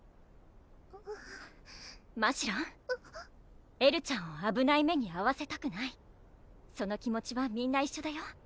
ましろんエルちゃんをあぶない目にあわせたくないその気持ちはみんな一緒だよ